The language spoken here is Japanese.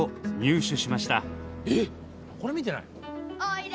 えっこれ見てない。